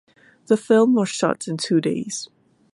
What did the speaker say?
The film was shot in two days.